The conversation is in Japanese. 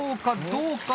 どうか？